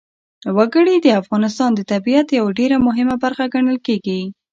وګړي د افغانستان د طبیعت یوه ډېره مهمه برخه ګڼل کېږي.